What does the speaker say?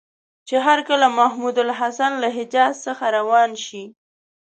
چې هرکله محمودالحسن له حجاز څخه روان شي.